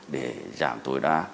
để giảm tối đa